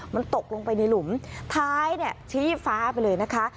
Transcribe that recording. มันตกลงไปในหลุมท้ายเนี่ยชี้ฟ้าไปเลยนะคะ